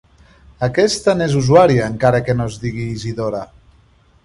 Aquesta n'és usuària, encara que no es digui Isidora.